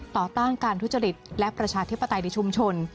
ต้านการทุจริตและประชาธิปไตยในชุมชน